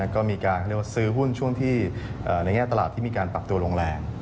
ก็มีการซื้อหุ้นในแง่ตลาดที่มีการปรับตัวลงแรง